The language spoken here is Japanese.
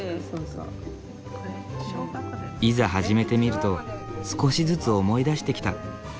いざ始めてみると少しずつ思い出してきた。